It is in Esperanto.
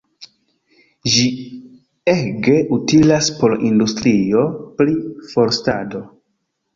Ĝi ege utilas por industrio pri forstado.